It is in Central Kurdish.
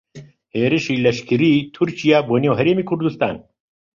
هێرشی لەشکریی تورکیا بۆ نێو هەرێمی کوردستان